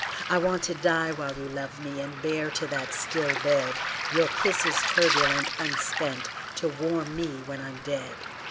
I want to die while you love me, And bear to that still bed, Your kisses turbulent, unspent To warm me when I'm dead.